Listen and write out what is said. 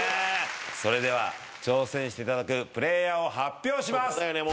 それでは挑戦していただくプレイヤーを発表します。